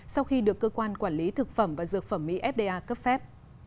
sau khi được cơ quan quản lý thực phẩm và dược phẩm mỹ fda cấp phép